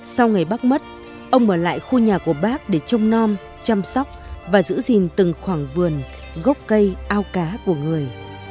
sau ngày bác mất ông ở lại khu nhà của bác để trông non chăm sóc và giữ gìn từng khoảng vườn gốc cây ao cá của người